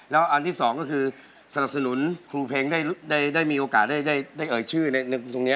แล้วอันที่สองก็คือสนับสนุนครูเพลงได้มีโอกาสได้เอ่ยชื่อในตรงนี้